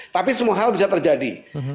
tapi semua hal bisa terjadi